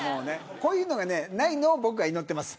こういうのがないのを僕は祈ってます。